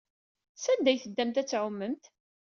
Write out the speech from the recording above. Sanda ay teddamt ad tɛumemt?